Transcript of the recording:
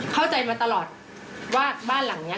เข้าใจมาตลอดว่าบ้านหลังนี้